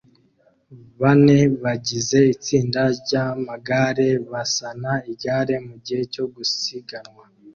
bane bagize itsinda ryamagare basana igare mugihe cyo gusiganwa